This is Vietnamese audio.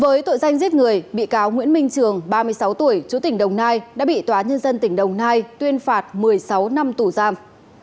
với tội danh giết người bị cáo nguyễn minh trường ba mươi sáu tuổi chú tỉnh đồng nai đã bị tòa nhân dân tỉnh đồng nai tuyên phạt một mươi sáu năm tù giam